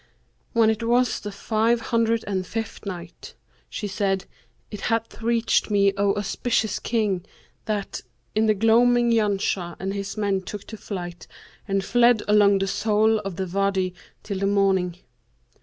When it was the Five Hundred and Fifth Night, She said, It hath reached me, O auspicious King, that "in the gloaming Janshah and his men took to flight and fled along the sole of the Wady till the morning.